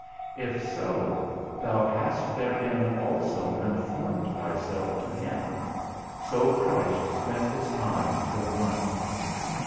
If so, thou hast therein also conformed thyself to him; so Christ spent his time till night.